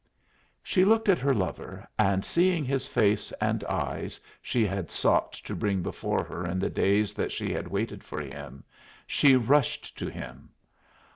She looked at her lover, and seeing his face and eyes she had sought to bring before her in the days that she had waited for him, she rushed to him.